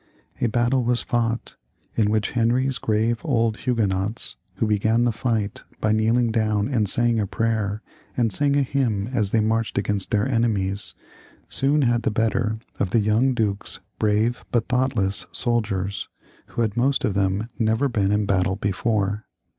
A battle was fought, in which Henry's grave old Huguenots, who began the fight by kneeling down and saying a prayer, and sang a hymn as they marched against their enemies, soon had the better of the young duke's brave but thoughtless soldiers, who had most, of them never been in battle before.